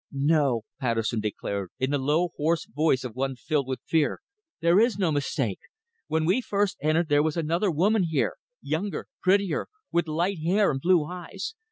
"No," Patterson declared in the low, hoarse voice of one filled with fear. "There is no mistake. When we first entered there was another woman here, younger, prettier, with light hair and blue eyes.